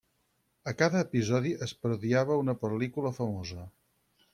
A cada episodi es parodiava una pel·lícula famosa.